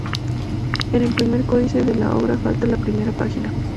En el primer códice de la obra falta la primera página.